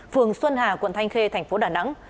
phường xuân hà quận thanh khê thành phố đà nẵng